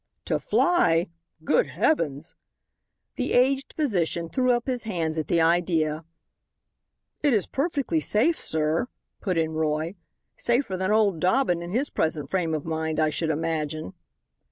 "To fly! Good heavens!" The aged physician threw up his hands at the idea. "It is perfectly safe, sir," put in Roy. "Safer than old Dobbin in his present frame of mind, I should imagine."